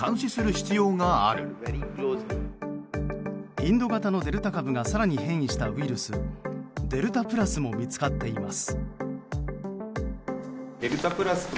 インド型のデルタ株が更に変異したウイルスデルタプラスも見つかっています。